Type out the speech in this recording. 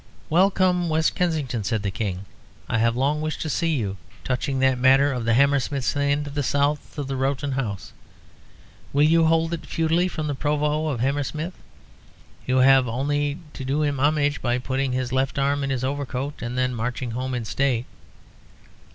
"Welcome, West Kensington," said the King. "I have long wished to see you touching that matter of the Hammersmith land to the south of the Rowton House. Will you hold it feudally from the Provost of Hammersmith? You have only to do him homage by putting his left arm in his overcoat and then marching home in state."